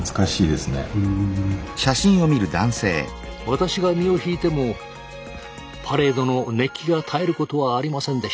私が身を引いてもパレードの熱気が絶えることはありませんでした。